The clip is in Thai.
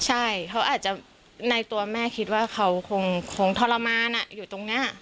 ใช่เขาอาจจะในตัวแม่คิดว่าเขาคงทรมานอยู่ตรงนี้